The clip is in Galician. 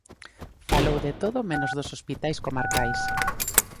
Falou de todo menos dos hospitais comarcais.